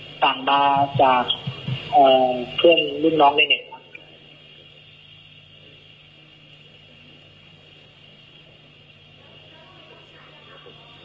อ่าต่างด้านใจจากเพื่อนรุ่นน้องจ๊ะไงครับ